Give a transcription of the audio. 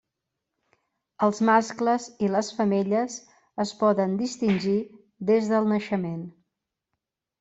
Els mascles i les femelles es poden distingir des del naixement.